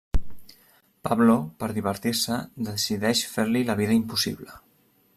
Pablo per divertir-se, decideix fer-li la vida impossible.